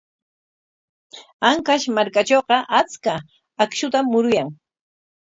Ancash markakunatrawqa achka akshutam muruyan.